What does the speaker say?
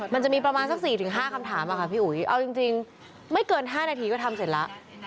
มันจะมีประมาณ๔ถึง๕คำถามอ่ะคะพี่อุ้ยไม่เกิน๕นาทีก็ทำเสร็จละ